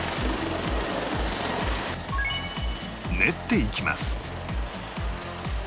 練っていきます